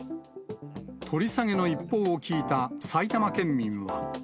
取り下げの一報を聞いた埼玉県民は。